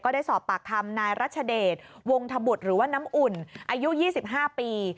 ได้สอบปากคำนายรัชเดชวงธบุตรหรือว่าน้ำอุ่นอายุ๒๕ปี